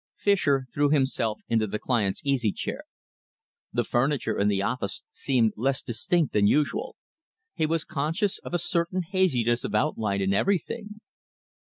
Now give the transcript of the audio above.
Fischer threw himself into the client's easy chair. The furniture in the office seemed less distinct than usual. He was conscious of a certain haziness of outline in everything.